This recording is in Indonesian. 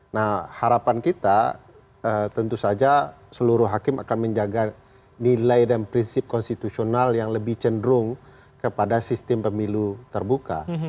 nah harapan kita tentu saja seluruh hakim akan menjaga nilai dan prinsip konstitusional yang lebih cenderung kepada sistem pemilu terbuka